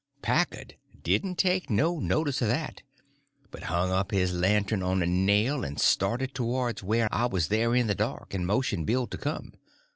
Packard didn't take no notice of that, but hung up his lantern on a nail and started towards where I was there in the dark, and motioned Bill to come.